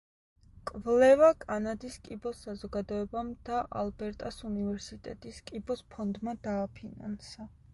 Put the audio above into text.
კვლევა კანადის კიბოს საზოგადოებამ და ალბერტას უნივერსიტეტის კიბოს ფონდმა დააფინანსა.